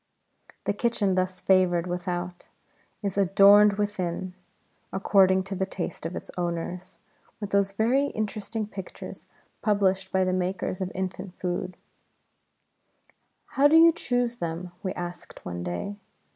The kitchen thus favoured without, is adorned within, according to the taste of its owners, with those very interesting pictures published by the makers of infant foods. "How do you choose them?" we asked one day.